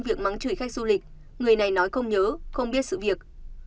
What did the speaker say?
việc mắng chửi khách du lịch người này nói không nhớ không biết sự việc